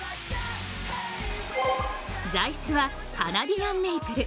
材質はカナディアンメイプル。